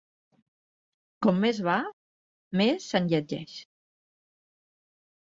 Com més va, més s'enlletgeix.